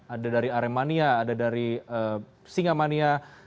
ada dari aremania ada dari singamania